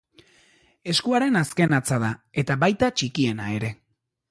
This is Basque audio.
Eskuaren azken hatza da eta baita txikiena ere.